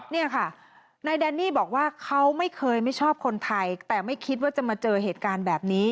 เนี่ยค่ะนายแดนนี่บอกว่าเขาไม่เคยไม่ชอบคนไทยแต่ไม่คิดว่าจะมาเจอเหตุการณ์แบบนี้